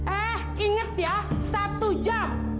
eh inget ya satu jam